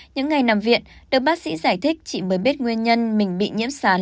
những ngày nằm viện được bác sĩ giải thích chị mới biết nguyên nhân mình bị nhiễm sán